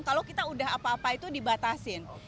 kalau kita udah apa apa itu dibatasin